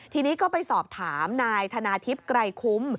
ทีนี้ก็ไปสอบถามนายธนาทิพย์ไกรคุ้ม